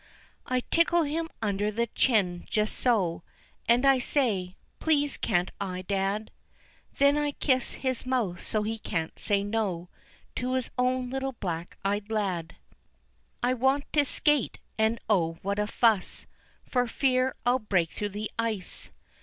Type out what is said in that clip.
I tickle him under the chin just so And I say, "Please can't I, dad?" Then I kiss his mouth so he can't say no, To his own little black eyed lad. I want to skate, and oh, what a fuss For fear I'll break through the ice!